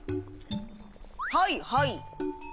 はいはい。